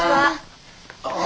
ああ。